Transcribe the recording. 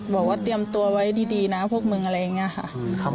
บอกว่าเตรียมตัวไว้ดีนะพวกมึงอะไรอย่างนี้ค่ะ